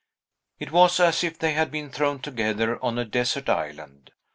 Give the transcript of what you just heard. It was as if they had been thrown together on a desert island.